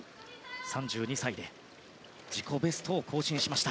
３２歳で自己ベストを更新しました。